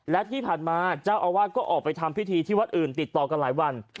และที่ผ่านมาเจ้าอาวาสก็ออกไปทำพิธีที่วัดอื่นติดต่อกันหลายวัน